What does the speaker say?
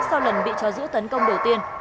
sau lần bị chó giữ tấn công đầu tiên